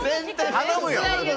頼むよ。